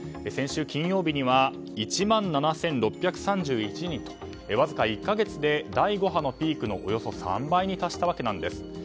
先週金曜日には１万７６３１人とわずか１か月で第５波のピークのおよそ３倍に達したわけなんです。